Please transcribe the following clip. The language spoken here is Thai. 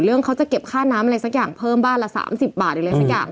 เรื่องเขาจะเก็บค่าน้ำอะไรสักอย่างเพิ่มบ้านละ๓๐บาทหรืออะไรสักอย่าง